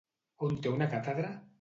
On té una càtedra?